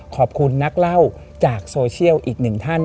ขอบคุณนักเล่าจากโซเชียลอีกหนึ่งท่าน